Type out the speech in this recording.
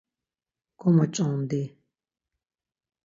Gomoç̌ondi.